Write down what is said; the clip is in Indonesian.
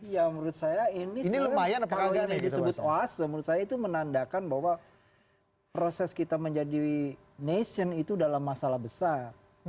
ya menurut saya ini sih lumayan ya disebut oase menurut saya itu menandakan bahwa proses kita menjadi nation itu dalam masalah besar